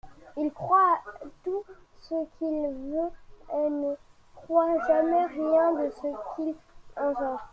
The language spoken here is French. Il croit tout ce qu'il veut et ne croit jamais rien de ce qu'il entend.